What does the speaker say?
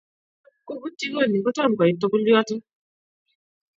ngap koput chikoni ,kotom koit tukul yoto